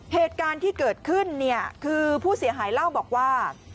เหตุการณ์ที่เกิดขึ้นเนี่ยคือผู้เสียหายเล่าบอกว่า